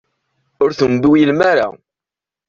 Ur ttembiwilem ara.